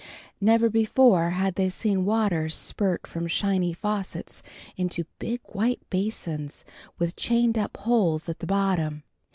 Never before had they seen water spurt from shining faucets into big white basins with chained up holes at the bottom.